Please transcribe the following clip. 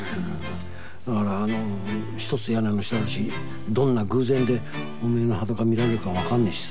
だからあの一つ屋根の下だしどんな偶然でお前の裸見られるかわかんねえしさ。